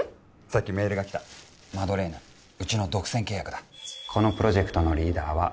さっきメールが来たマドレーヌうちの独占契約だこのプロジェクトのリーダーは